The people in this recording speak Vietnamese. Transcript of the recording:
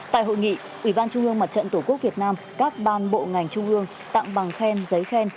tại hội nghị ủy ban trung ương mặt trận tổ quốc việt nam các ban bộ ngành trung ương tặng bằng khen giấy khen